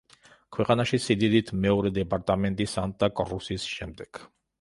ქვეყანაში სიდიდით მეორე დეპარტამენტი, სანტა-კრუსის შემდეგ.